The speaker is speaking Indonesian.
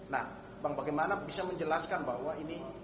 nah bang bagaimana bisa menjelaskan bahwa ini